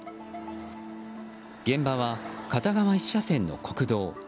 現場は、片側１車線の国道。